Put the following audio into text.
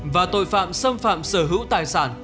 và tội phạm xâm phạm sở hữu tài sản